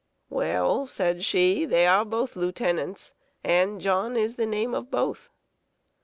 "Well," said she, "they are both lieutenants, and John is the name of both!"